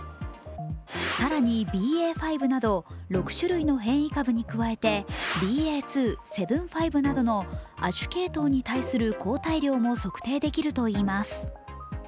更にＢＡ．５など６種類の変異株に加えＢＡ．２．７５などの亜種系統に対する抗体量も測定できるといいます。